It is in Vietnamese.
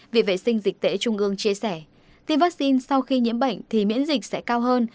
viện vệ sinh dịch tễ trung ương chia sẻ tiêm vaccine sau khi nhiễm bệnh thì miễn dịch sẽ cao hơn